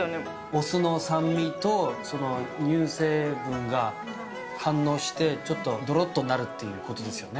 お酢の酸味と乳成分が反応して、ちょっとどろっとなるということですよね。